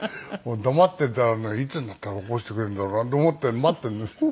黙っていたらねいつになったら起こしてくれるんだろうなと思って待っているんです。